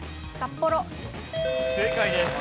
正解です。